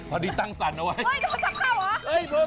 อะไรอะไรโอ้ยโทรศัพท์เข้าเหรอพอดีตั้งสั่นเอาไว้